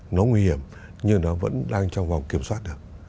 nó nguy hiểm nhưng nó vẫn đang trong vòng kiểm soát được